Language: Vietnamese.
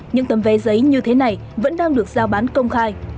những tấm vé giấy như thế này vẫn đang được giao bán công khai